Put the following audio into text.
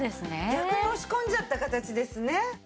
逆に押し込んじゃった形ですね。